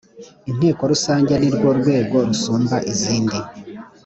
inteko rusange nirwo rwego rusumba izindi